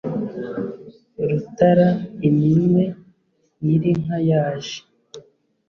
rutara iminwe nyir' inka yaje,